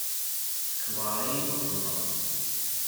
Tewɛeṛ-iyi tuffẓa.